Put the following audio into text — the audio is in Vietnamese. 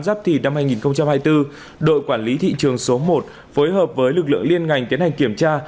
giáp thì năm hai nghìn hai mươi bốn đội quản lý thị trường số một phối hợp với lực lượng liên ngành tiến hành kiểm tra